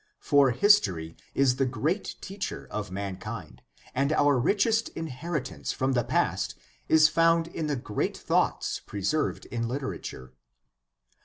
For history is the great teacher of mankind, and our richest inheritance* from the past is found in the great thoughts preserved in Hterature.